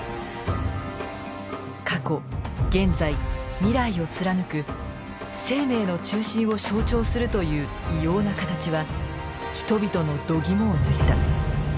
過去現在未来を貫く生命の中心を象徴するという異様な形は人々のどぎもを抜いた。